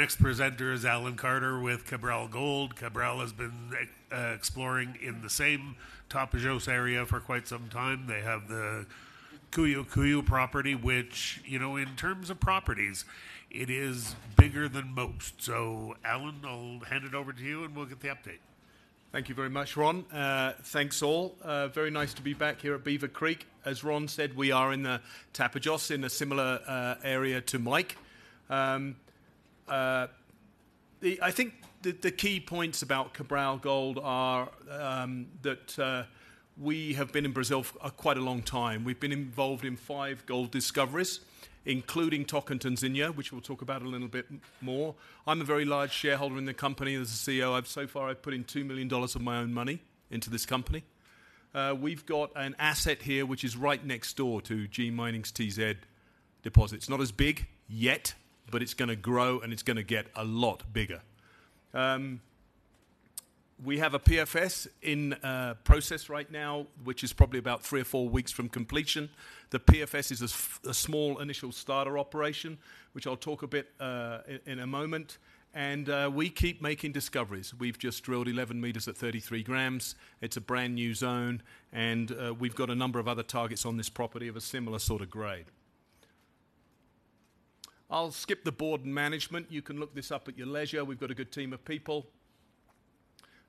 ...Our next presenter is Alan Carter with Cabral Gold. Cabral has been exploring in the same Tapajós area for quite some time. They have the Cuiú Cuiú property, which, you know, in terms of properties, it is bigger than most. So Alan, I'll hand it over to you, and we'll get the update. Thank you very much, Ron. Thanks, all. Very nice to be back here at Beaver Creek. As Ron said, we are in the Tapajós, in a similar area to Mike. I think the key points about Cabral Gold are that we have been in Brazil for quite a long time. We've been involved in five gold discoveries, including Tocantinzinho, which we'll talk about a little bit more. I'm a very large shareholder in the company. As the CEO, I've so far put in $2 million of my own money into this company. We've got an asset here, which is right next door to G Mining's TZ deposit. It's not as big yet, but it's gonna grow, and it's gonna get a lot bigger. We have a PFS in process right now, which is probably about three or four weeks from completion. The PFS is a small initial starter operation, which I'll talk a bit in a moment, and we keep making discoveries. We've just drilled 11 meters at 33 grams. It's a brand-new zone, and we've got a number of other targets on this property of a similar sort of grade. I'll skip the board and management. You can look this up at your leisure. We've got a good team of people.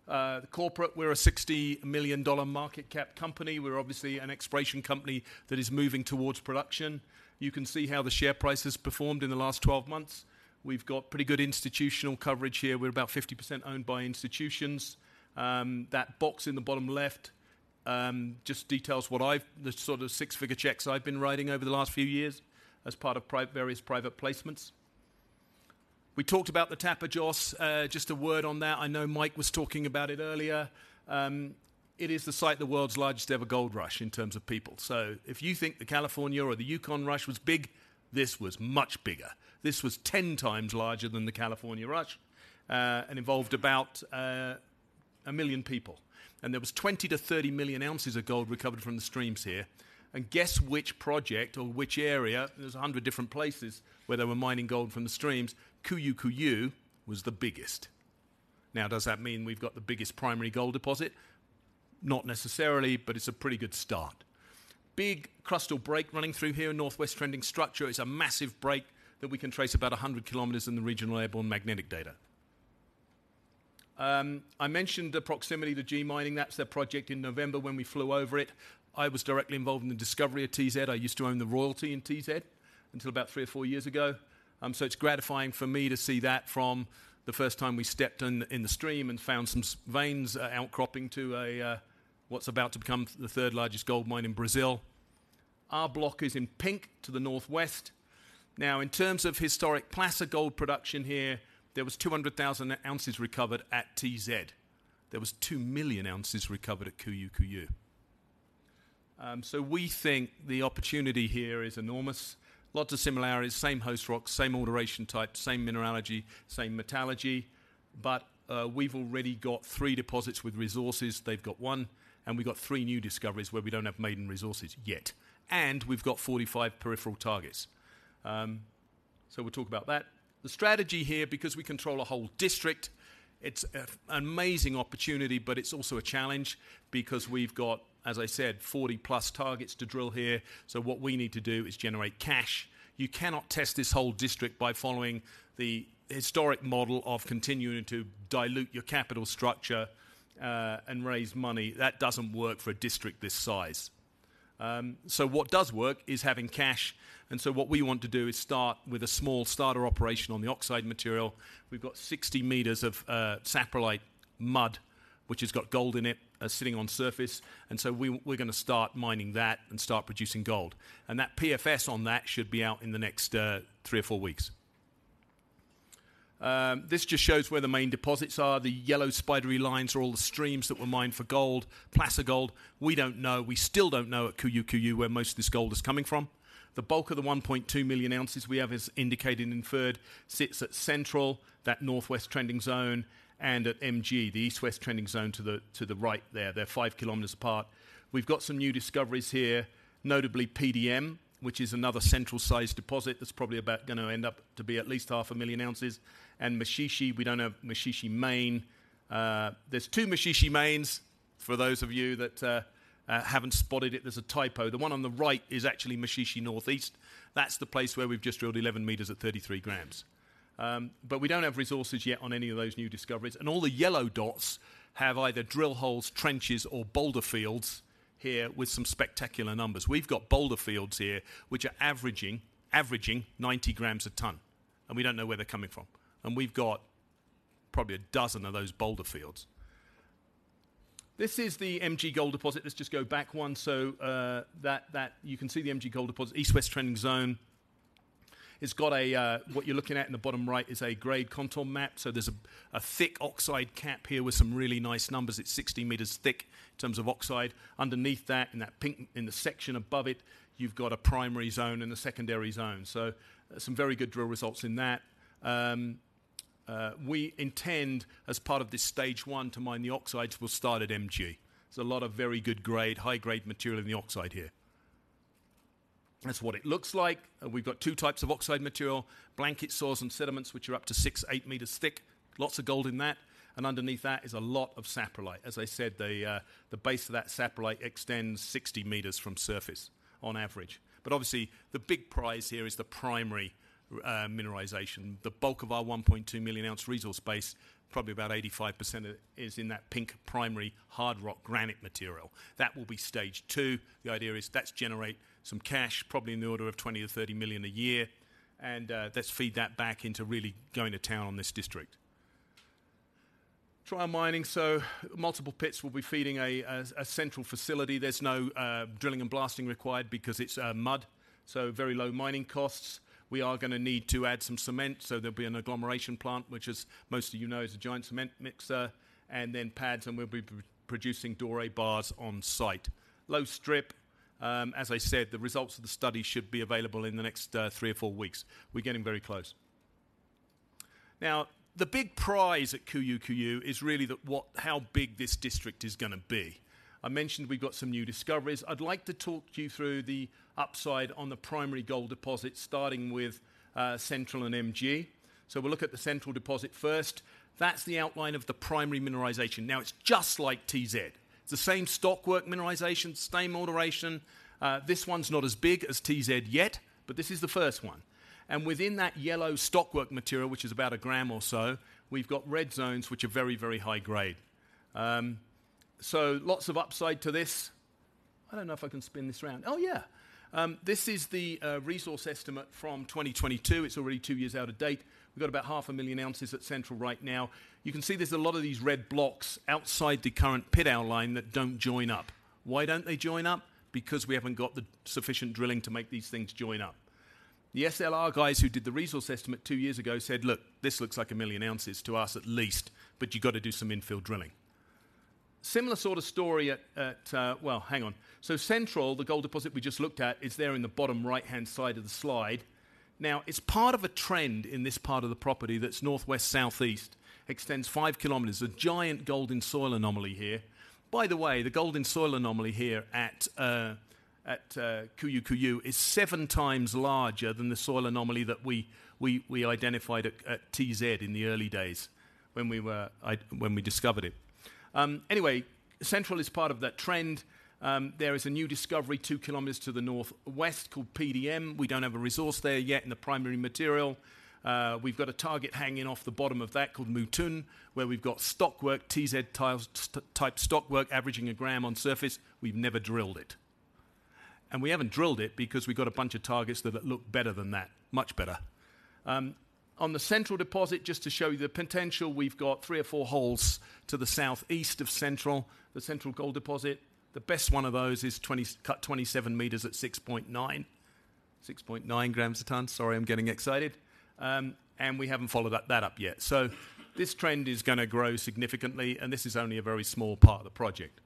The corporate, we're a $60 million market cap company. We're obviously an exploration company that is moving towards production. You can see how the share price has performed in the last 12 months. We've got pretty good institutional coverage here. We're about 50% owned by institutions. That box in the bottom left just details what I've the sort of six-figure checks I've been writing over the last few years as part of various private placements. We talked about the Tapajós. Just a word on that, I know Mike was talking about it earlier. It is the site of the world's largest-ever gold rush in terms of people. So if you think the California or the Yukon rush was big, this was much bigger. This was 10 times larger than the California rush, and involved about 1 million people, and there was 20-30 million ounces of gold recovered from the streams here, and guess which project or which area, there's 100 different places where they were mining gold from the streams, Cuiú Cuiú was the biggest. Now, does that mean we've got the biggest primary gold deposit? Not necessarily, but it's a pretty good start. Big crustal break running through here, a northwest-trending structure. It's a massive break that we can trace about a hundred kilometers in the regional airborne magnetic data. I mentioned the proximity to G Mining. That's their project in November when we flew over it. I was directly involved in the discovery of TZ. I used to own the royalty in TZ until about three or four years ago. So it's gratifying for me to see that from the first time we stepped in, in the stream and found some veins outcropping to a, what's about to become the third-largest gold mine in Brazil. Our block is in pink to the northwest. Now, in terms of historic placer gold production here, there was two hundred thousand ounces recovered at TZ. There was two million ounces recovered at Cuiú Cuiú. So we think the opportunity here is enormous. Lots of similarities, same host rock, same alteration type, same mineralogy, same metallurgy, but, we've already got three deposits with resources. They've got one, and we've got three new discoveries where we don't have maiden resources yet, and we've got 45 peripheral targets. So we'll talk about that. The strategy here, because we control a whole district, it's an amazing opportunity, but it's also a challenge because we've got, as I said, 40-plus targets to drill here. So what we need to do is generate cash. You cannot test this whole district by following the historic model of continuing to dilute your capital structure, and raise money. That doesn't work for a district this size. So what does work is having cash, and so what we want to do is start with a small starter operation on the oxide material. We've got 60 meters of saprolite mud, which has got gold in it sitting on surface, and so we're gonna start mining that and start producing gold. And that PFS on that should be out in the next three or four weeks. This just shows where the main deposits are. The yellow spidery lines are all the streams that were mined for gold. Placer gold, we don't know, we still don't know at Cuiú Cuiú where most of this gold is coming from. The bulk of the 1.2 million ounces we have, as indicated and inferred, sits at Central, that northwest-trending zone, and at MG, the east-west trending zone to the right there. They're five kilometers apart. We've got some new discoveries here, notably PDM, which is another central-sized deposit that's probably about gonna end up to be at least 500,000 ounces, and Machiche. We don't have Machiche Main. There's two Machiche Mains, for those of you that haven't spotted it, there's a typo. The one on the right is actually Machiche Northeast. That's the place where we've just drilled 11 meters at 33 grams. But we don't have resources yet on any of those new discoveries, and all the yellow dots have either drill holes, trenches, or boulder fields here with some spectacular numbers. We've got boulder fields here, which are averaging 90 grams a ton, and we don't know where they're coming from, and we've got probably 12 of those boulder fields. This is the MG gold deposit. Let's just go back one, so that you can see the MG gold deposit, east-west trending zone. It's got a... What you're looking at in the bottom right is a grade contour map. So there's a thick oxide cap here with some really nice numbers. It's 60 meters thick in terms of oxide. Underneath that, in that pink, in the section above it, you've got a primary zone and a secondary zone, so some very good drill results in that. We intend, as part of this stage one, to mine the oxides. We'll start at MG. There's a lot of very good grade, high-grade material in the oxide here. That's what it looks like. We've got two types of oxide material, blanket soils and sediments, which are up to 6-8 meters thick. Lots of gold in that, and underneath that is a lot of saprolite. As I said, the base of that saprolite extends 60 meters from surface on average. But obviously, the big prize here is the primary mineralization. The bulk of our 1.2 million ounce resource base, probably about 85% of it, is in that pink primary hard rock granite material. That will be stage two. The idea is that's generate some cash, probably in the order of $20 to $30 million a year, and let's feed that back into really going to town on this district. Trial mining, so multiple pits will be feeding a central facility. There's no drilling and blasting required because it's mud, so very low mining costs. We are gonna need to add some cement, so there'll be an agglomeration plant, which is, most of you know, is a giant cement mixer, and then pads, and we'll be producing doré bars on site. Low strip, as I said, the results of the study should be available in the next three or four weeks. We're getting very close. Now, the big prize at Cuiú Cuiú is really the what how big this district is gonna be. I mentioned we've got some new discoveries. I'd like to talk you through the upside on the primary gold deposit, starting with Central and MG. So we'll look at the Central deposit first. That's the outline of the primary mineralization. Now, it's just like TZ. It's the same stockwork mineralization, same alteration. This one's not as big as TZ yet, but this is the first one, and within that yellow stockwork material, which is about a gram or so, we've got red zones, which are very, very high grade. So lots of upside to this. I don't know if I can spin this around. Yeah. This is the resource estimate from 2022. It's already two years out of date. We've got about 500,000 ounces at Central right now. You can see there's a lot of these red blocks outside the current pit outline that don't join up. Why don't they join up? Because we haven't got the sufficient drilling to make these things join up. The SLR guys who did the resource estimate two years ago said, "Look, this looks like a million ounces to us at least, but you've got to do some infill drilling." Similar sort of story at. Well, hang on. So Central, the gold deposit we just looked at, is there in the bottom right-hand side of the slide. Now, it's part of a trend in this part of the property that's northwest/southeast, extends five kilometers, a giant gold in soil anomaly here. By the way, the gold in soil anomaly here at Cuiú Cuiú is seven times larger than the soil anomaly that we identified at TZ in the early days when we discovered it. Anyway, Central is part of that trend. There is a new discovery two kilometers to the northwest called PDM. We don't have a resource there yet in the primary material. We've got a target hanging off the bottom of that called Mutum, where we've got stockwork, TZ-style stockwork, averaging a gram on surface. We've never drilled it. And we haven't drilled it because we've got a bunch of targets that look better than that, much better. On the Central deposit, just to show you the potential, we've got three or four holes to the southeast of Central, the Central gold deposit. The best one of those is 20, cut 27 meters at 6.9. 6.9 grams a ton. Sorry, I'm getting excited. And we haven't followed that up yet. This trend is gonna grow significantly, and this is only a very small part of the project.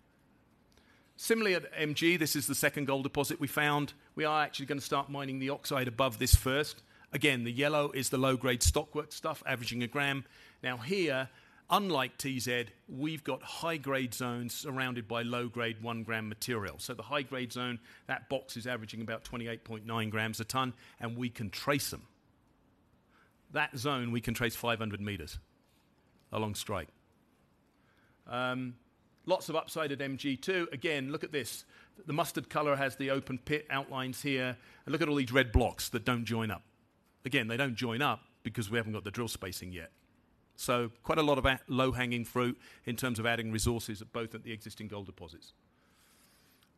Similarly at MG, this is the second gold deposit we found. We are actually gonna start mining the oxide above this first. Again, the yellow is the low-grade stockwork stuff, averaging a gram. Now here, unlike TZ, we've got high-grade zones surrounded by low-grade one-gram material. So the high-grade zone, that box is averaging about 28.9 grams a ton, and we can trace them. That zone, we can trace 500 meters along strike. Lots of upside at MG, too. Again, look at this. The mustard color has the open pit outlines here. And look at all these red blocks that don't join up. Again, they don't join up because we haven't got the drill spacing yet. So quite a lot of low-hanging fruit in terms of adding resources at both of the existing gold deposits.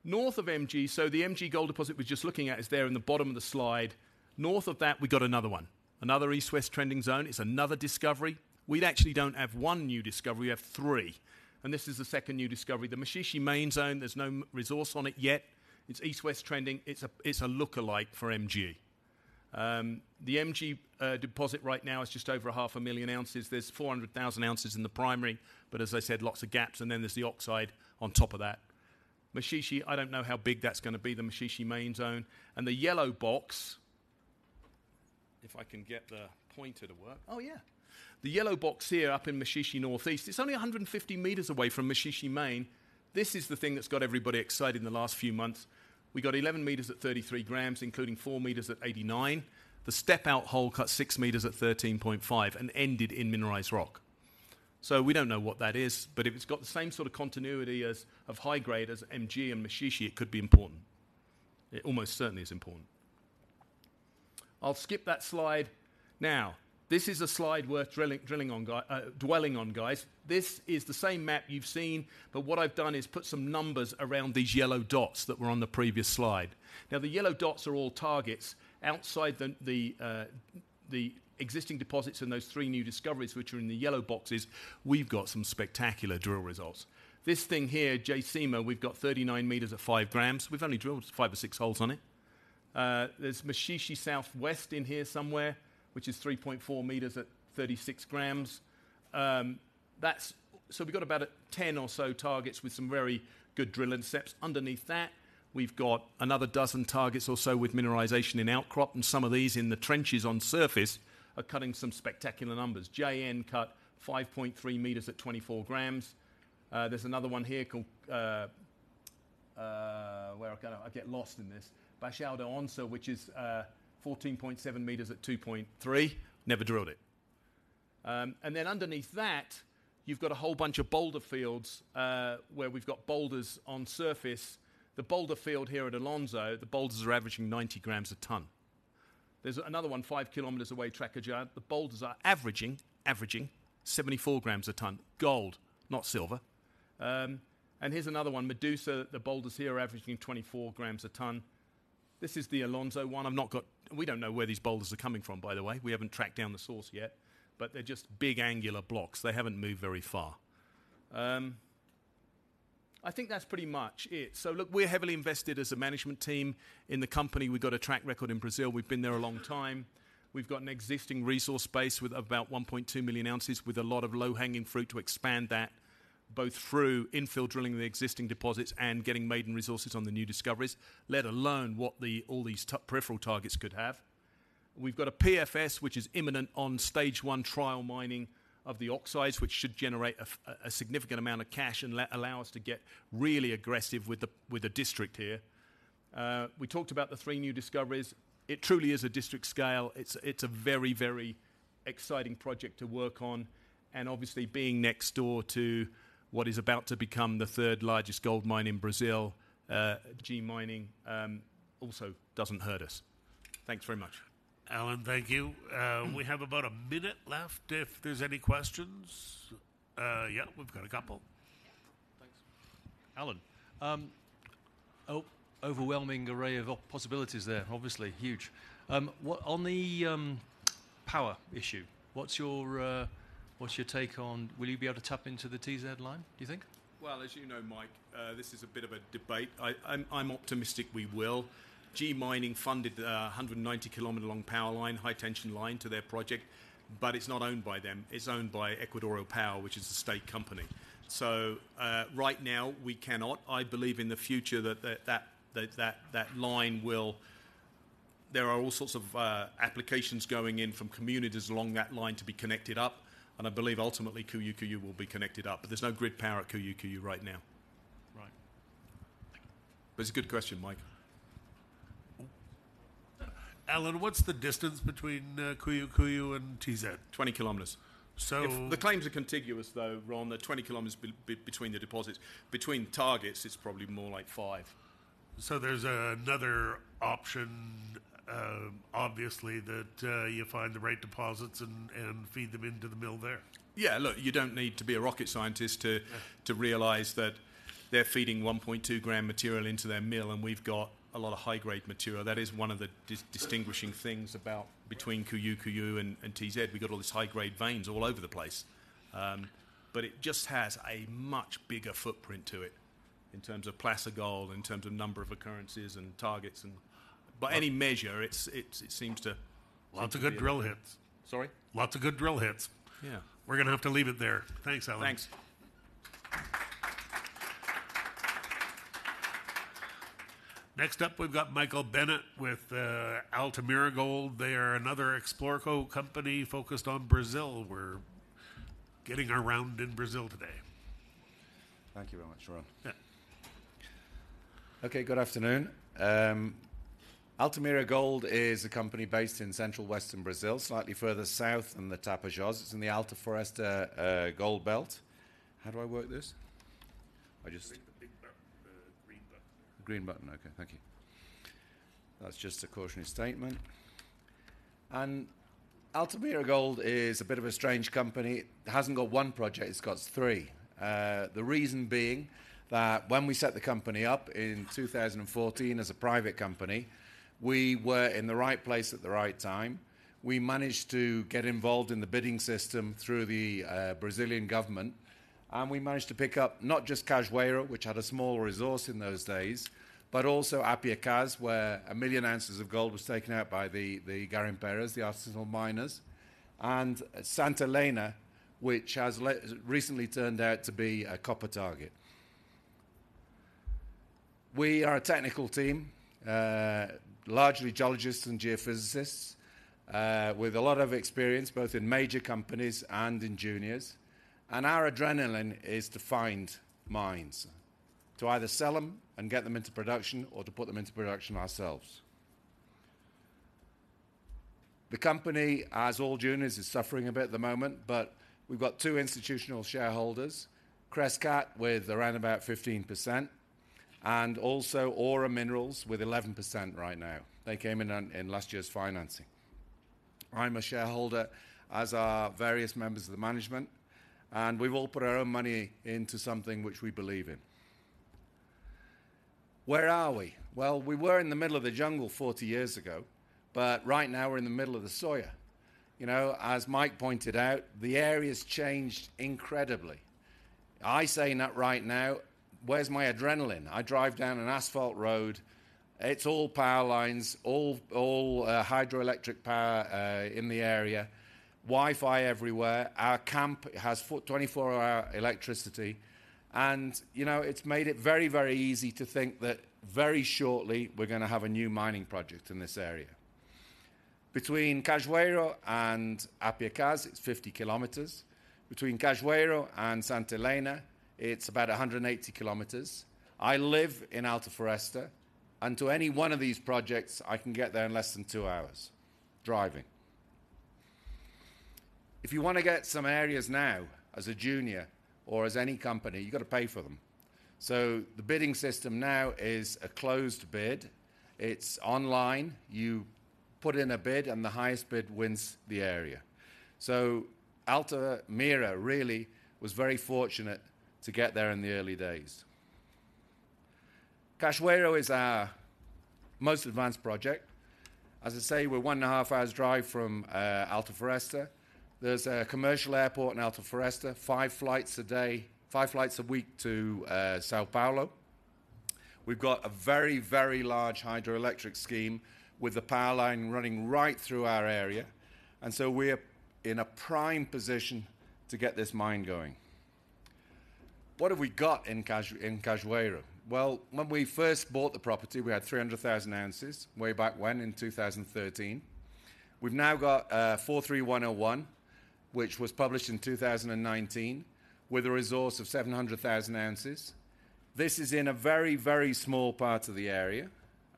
North of MG, so the MG gold deposit we're just looking at is there in the bottom of the slide. North of that, we've got another one, another east-west trending zone. It's another discovery. We actually don't have one new discovery, we have three, and this is the second new discovery. The Machiche Main zone, there's no resource on it yet. It's east-west trending. It's a lookalike for MG. The MG deposit right now is just over 500,000 ounces. There's 400,000 ounces in the primary, but as I said, lots of gaps, and then there's the oxide on top of that. Machiche, I don't know how big that's gonna be, the Machiche Main zone, and the yellow box, if I can get the pointer to work. Oh, yeah. The yellow box here up in Machiche Northeast, it's only 150 meters away from Machiche Main. This is the thing that's got everybody excited in the last few months. We got 11 meters at 33 grams, including four meters at 89. The step-out hole cut six meters at 13.5 and ended in mineralized rock. So we don't know what that is, but if it's got the same sort of continuity as of high grade as MG and Machiche, it could be important. It almost certainly is important. I'll skip that slide. Now, this is a slide worth dwelling on, guys. This is the same map you've seen, but what I've done is put some numbers around these yellow dots that were on the previous slide. Now, the yellow dots are all targets. Outside the existing deposits and those three new discoveries, which are in the yellow boxes, we've got some spectacular drill results. This thing here, Jacema, we've got 39 meters at five grams. We've only drilled five or six holes on it. There's Machiche Southwest in here somewhere, which is 3.4 meters at 36 grams. That's. So we've got about 10 or so targets with some very good drilling steps. Underneath that, we've got another dozen targets or so with mineralization in outcrop, and some of these in the trenches on surface are cutting some spectacular numbers. JN cut 5.3 meters at 24 grams. There's another one here called, where I kinda, I get lost in this. Baixada Onça, which is 14.7 meters at 2.3. Never drilled it. Then underneath that, you've got a whole bunch of boulder fields, where we've got boulders on surface. The boulder field here at Alonso, the boulders are averaging 90 grams a ton. There's another one five kilometers away, Tracajá, the boulders are averaging 74 grams a ton. Gold, not silver. And here's another one, Medusa, the boulders here are averaging 24 grams a ton. This is the Alonso one. We don't know where these boulders are coming from, by the way. We haven't tracked down the source yet, but they're just big, angular blocks. They haven't moved very far. I think that's pretty much it. So look, we're heavily invested as a management team in the company. We've got a track record in Brazil. We've been there a long time. We've got an existing resource base with about 1.2 million ounces, with a lot of low-hanging fruit to expand that, both through infill drilling the existing deposits and getting maiden resources on the new discoveries, let alone what the, all these Peripheral targets could have. We've got a PFS, which is imminent on stage one trial mining of the oxides, which should generate a significant amount of cash and allow us to get really aggressive with the, with the district here. We talked about the three new discoveries. It truly is a district scale. It's, it's a very, very exciting project to work on, and obviously, being next door to what is about to become the third-largest gold mine in Brazil, G Mining, also doesn't hurt us. Thanks very much. Alan, thank you. We have about a minute left if there's any questions. Yeah, we've got a couple. Thanks. Alan, overwhelming array of possibilities there, obviously. Huge. What, on the power issue, what's your take on... Will you be able to tap into the TZ line, do you think? As you know, Mike, this is a bit of a debate. I'm optimistic we will. G Mining funded a 190-kilometer-long power line, high-tension line, to their project, but it's not owned by them. It's owned by Equatorial Power, which is a state company. So, right now, we cannot. I believe in the future that line will. There are all sorts of applications going in from communities along that line to be connected up, and I believe ultimately, Cuiú Cuiú will be connected up. But there's no grid power at Cuiú Cuiú right now. Right. Thank you. But it's a good question, Mike. Alan, what's the distance between Cuiú Cuiú and TZ? Twenty kilometers. So- The claims are contiguous, though, Ron. They're twenty kilometers between the deposits. Between targets, it's probably more like five. So there's another option, obviously, that you find the right deposits and feed them into the mill there? Yeah, look, you don't need to be a rocket scientist to- Yeah... to realize that they're feeding 1.2-gram material into their mill, and we've got a lot of high-grade material. That is one of the distinguishing things about between Cuiú Cuiú and, and TZ. We've got all these high-grade veins all over the place. But it just has a much bigger footprint to it in terms of placer gold, in terms of number of occurrences and targets and by any measure, it's, it seems to- Lots of good drill hits. Sorry? Lots of good drill hits. Yeah. We're gonna have to leave it there. Thanks, Alan. Thanks. Next up, we've got Michael Bennett with Altamira Gold. They are another exploration company focused on Brazil. We're getting around in Brazil today. Thank you very much, Ron. Yeah. Okay, good afternoon. Altamira Gold is a company based in central western Brazil, slightly further south than the Tapajós. It's in the Alta Floresta Gold Belt. How do I work this? I just- Click the big button, the green button. The green button. Okay, thank you. That's just a cautionary statement, and Altamira Gold is a bit of a strange company. It hasn't got one project, it's got three. The reason being that when we set the company up in two thousand and fourteen as a private company, we were in the right place at the right time. We managed to get involved in the bidding system through the Brazilian government, and we managed to pick up not just Cajueiro, which had a small resource in those days, but also Apiacás, where a million ounces of gold was taken out by the garimpeiros, the artisanal miners, and Santa Helena, which has recently turned out to be a copper target. We are a technical team, largely geologists and geophysicists, with a lot of experience, both in major companies and in juniors, and our adrenaline is to find mines, to either sell them and get them into production or to put them into production ourselves. The company, as all juniors, is suffering a bit at the moment, but we've got two institutional shareholders, Crescat, with around about 15%, and also Aura Minerals with 11% right now. They came in on last year's financing. I'm a shareholder, as are various members of the management, and we've all put our own money into something which we believe in. Where are we? Well, we were in the middle of the jungle 40 years ago, but right now we're in the middle of the soya. You know, as Mike pointed out, the area's changed incredibly. I say, "Not right now. Where's my adrenaline?" I drive down an asphalt road. It's all power lines, all hydroelectric power in the area, Wi-Fi everywhere. Our camp has 24-hour electricity and, you know, it's made it very, very easy to think that very shortly we're gonna have a new mining project in this area. Between Cajueiro and Apiacás, it's 50 kilometers. Between Cajueiro and Santa Helena, it's about 180 kilometers. I live in Alta Floresta, and to any one of these projects, I can get there in less than 2 hours, driving. If you wanna get some areas now as a junior or as any company, you've gotta pay for them. So the bidding system now is a closed bid. It's online. You put in a bid, and the highest bid wins the area. So Altamira really was very fortunate to get there in the early days. Cajueiro is our most advanced project. As I say, we're one and a half hours' drive from Alta Floresta. There's a commercial airport in Alta Floresta, five flights a day, five flights a week to São Paulo. We've got a very, very large hydroelectric scheme with a power line running right through our area, and so we're in a prime position to get this mine going. What have we got in Cajueiro? Well, when we first bought the property, we had three hundred thousand ounces, way back when, in two thousand and thirteen. We've now got 431,001, which was published in two thousand and nineteen, with a resource of seven hundred thousand ounces. This is in a very, very small part of the area,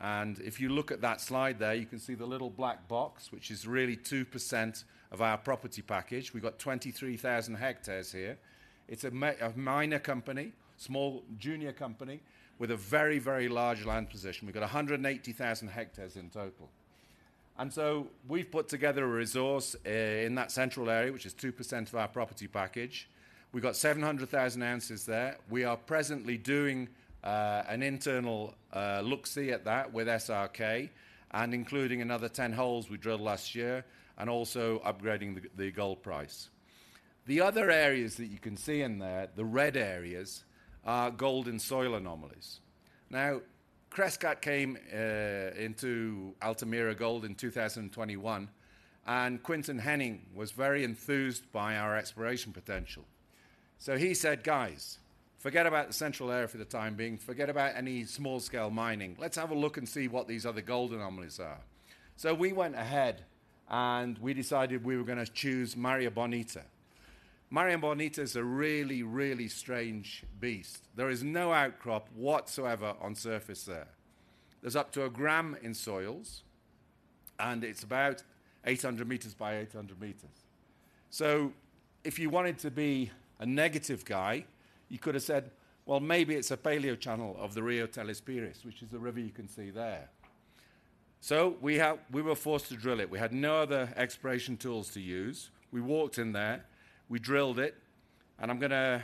and if you look at that slide there, you can see the little black box, which is really 2% of our property package. We've got 23,000 hectares here. It's a minor company, small junior company, with a very, very large land position. We've got 180,000 hectares in total. And so we've put together a resource in that central area, which is 2% of our property package. We've got 700,000 ounces there. We are presently doing an internal look-see at that with SRK, and including another 10 holes we drilled last year, and also upgrading the gold price. The other areas that you can see in there, the red areas, are gold and soil anomalies. Now, Crescat came into Altamira Gold in 2021, and Quinton Hennigh was very enthused by our exploration potential, so he said, "Guys, forget about the Central area for the time being. Forget about any small-scale mining. Let's have a look and see what these other gold anomalies are," so we went ahead, and we decided we were gonna choose Maria Bonita. Maria Bonita is a really, really strange beast. There is no outcrop whatsoever on surface there. There's up to a gram in soils, and it's about 800 meters by 800 meters, so if you wanted to be a negative guy, you could've said, "Well, maybe it's a paleochannel of the Rio Teles Pires," which is the river you can see there, so we were forced to drill it. We had no other exploration tools to use. We walked in there, we drilled it, and I'm gonna,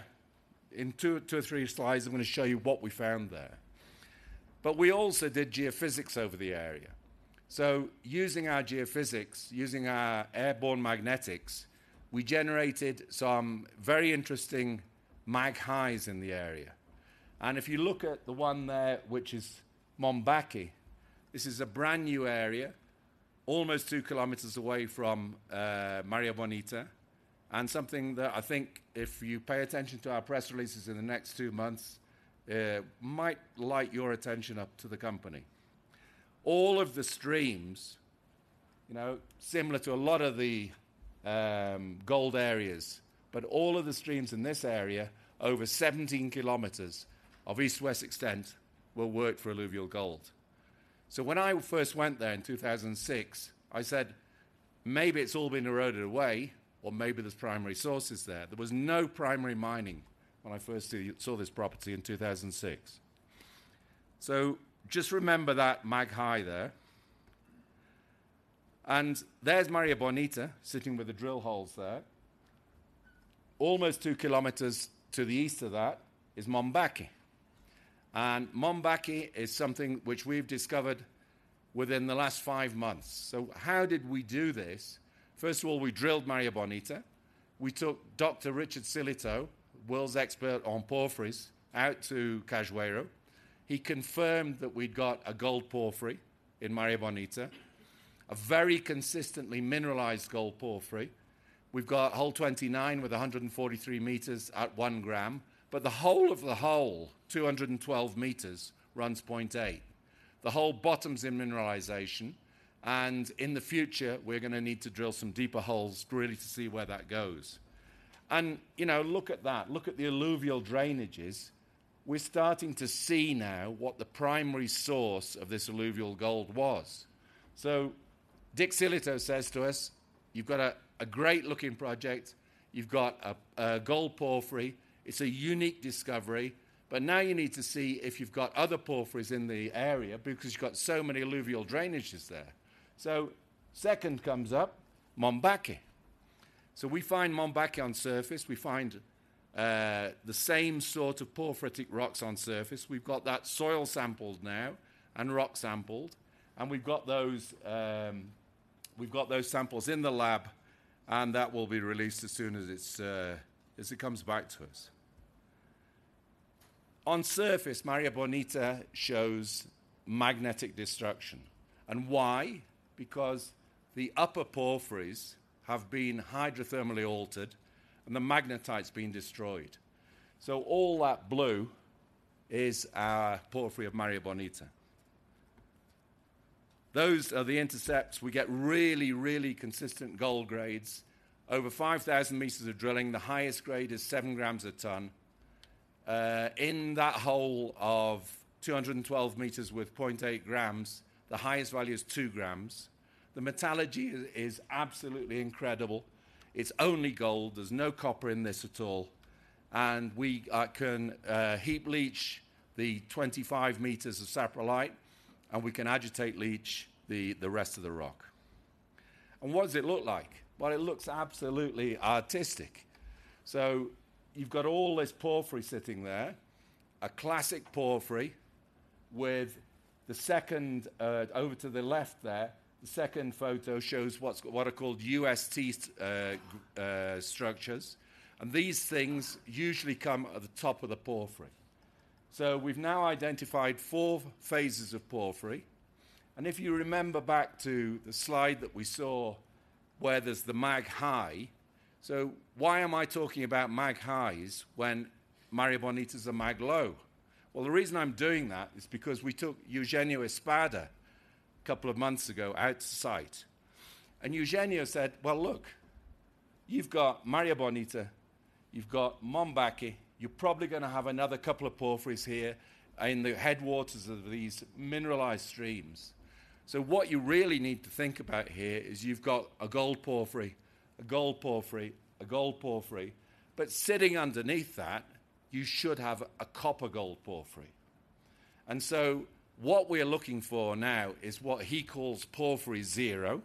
in two or three slides, I'm gonna show you what we found there, but we also did geophysics over the area, so using our geophysics, using our airborne magnetics, we generated some very interesting mag highs in the area, and if you look at the one there, which is Mombaça, this is a brand-new area, almost two kilometers away from Maria Bonita, and something that I think if you pay attention to our press releases in the next two months might light your attention up to the company. All of the streams, you know, similar to a lot of the gold areas, but all of the streams in this area, over 17 kilometers of east-west extent, were worked for alluvial gold. So when I first went there in two thousand and six, I said, "Maybe it's all been eroded away, or maybe there's primary sources there." There was no primary mining when I first saw this property in two thousand and six. So just remember that mag high there. And there's Maria Bonita sitting with the drill holes there. Almost two kilometers to the east of that is Mombaça, and Mombaça is something which we've discovered within the last five months. So how did we do this? First of all, we drilled Maria Bonita. We took Dr. Richard Sillitoe, world's expert on porphyries, out to Cajueiro. He confirmed that we'd got a gold porphyry in Maria Bonita, a very consistently mineralized gold porphyry. We've got hole 29 with 143 meters at one gram, but the whole of the hole, 212 meters, runs 0.8. The whole bottom's in mineralization, and in the future, we're gonna need to drill some deeper holes really to see where that goes, and you know, look at that. Look at the alluvial drainages. We're starting to see now what the primary source of this alluvial gold was, so Dick Sillitoe says to us, "You've got a, a great-looking project. You've got a, a gold porphyry. It's a unique discovery, but now you need to see if you've got other porphyries in the area because you've got so many alluvial drainages there." So second comes up, Mombaça. So we find Mombaça on surface. We find the same sort of porphyritic rocks on surface. We've got that soil sampled now and rock sampled, and we've got those, we've got those samples in the lab, and that will be released as soon as it's, as it comes back to us. On surface, Maria Bonita shows magnetite destruction. And why? Because the upper porphyries have been hydrothermally altered, and the magnetite's been destroyed. So all that blue is our porphyry of Maria Bonita. Those are the intercepts. We get really, really consistent gold grades. Over 5,000 meters of drilling, the highest grade is seven grams a ton. In that hole of 212 meters with 0.8 grams, the highest value is 2 grams. The metallurgy is absolutely incredible. It's only gold, there's no copper in this at all, and we can heap leach the 25 meters of saprolite, and we can agitate leach the rest of the rock. What does it look like? It looks absolutely artistic. You've got all this porphyry sitting there, a classic porphyry, with the second. Over to the left there, the second photo shows what's what are called UST structures, and these things usually come at the top of the porphyry. We've now identified four phases of porphyry, and if you remember back to the slide that we saw where there's the mag high. Why am I talking about mag highs when Maria Bonita's a mag low? The reason I'm doing that is because we took Eugenio Espada a couple of months ago out to site, and Eugenio said, "Well, look, you've got Maria Bonita, you've got Mombaça. You're probably gonna have another couple of porphyries here in the headwaters of these mineralized streams. So what you really need to think about here is you've got a gold porphyry, a gold porphyry, a gold porphyry, but sitting underneath that, you should have a copper-gold porphyry." And so what we're looking for now is what he calls porphyry zero.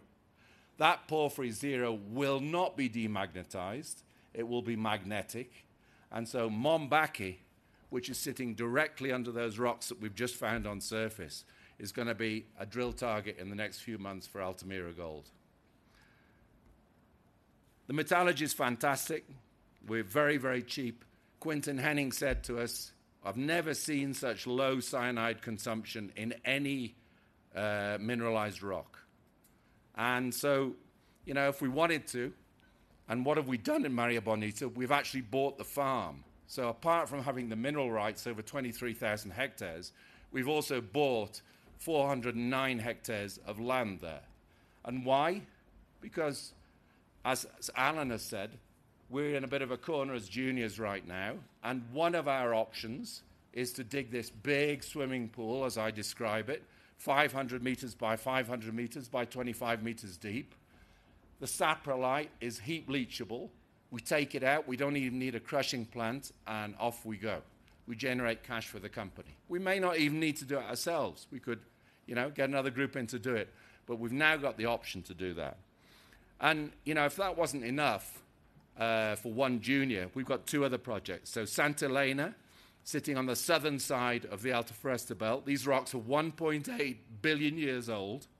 That porphyry zero will not be demagnetized. It will be magnetic. And so Mombaça, which is sitting directly under those rocks that we've just found on surface, is gonna be a drill target in the next few months for Altamira Gold. The metallurgy is fantastic. We're very, very cheap. Quinton Hennigh said to us, "I've never seen such low cyanide consumption in any mineralized rock." And so, you know, if we wanted to... And what have we done in Maria Bonita? We've actually bought the farm. So apart from having the mineral rights over 23,000 hectares, we've also bought 409 hectares of land there. And why? Because as Alan has said, we're in a bit of a corner as juniors right now, and one of our options is to dig this big swimming pool, as I describe it, 500 meters by 500 meters by 25 meters deep. The saprolite is heap leachable. We take it out, we don't even need a crushing plant, and off we go. We generate cash for the company. We may not even need to do it ourselves. We could, you know, get another group in to do it, but we've now got the option to do that. And, you know, if that wasn't enough, for one junior, we've got two other projects. So Santa Helena, sitting on the southern side of the Alta Floresta Belt, these rocks are one point eight billion years old. You know-